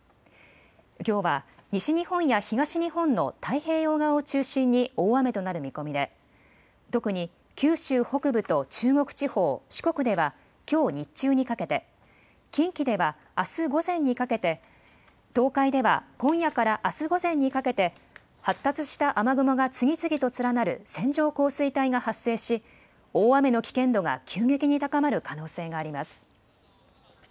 きょうは西日本や東日本の太平洋側を中心に大雨となる見込みで特に九州北部と中国地方、四国ではきょう日中にかけて、近畿ではあす午前にかけて、東海では今夜からあす午前にかけて発達した雨雲が次々と連なる線状降水帯が発生し大雨の危険度が急激に高まる可能性があります。